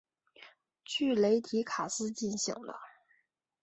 据雷提卡斯进行的。